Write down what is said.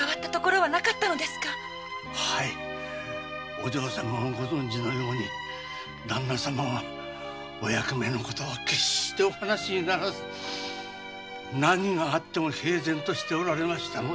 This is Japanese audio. お嬢様もご存じのようにダンナ様はお役目のことは決してお話にならず何があっても平然としておられましたので。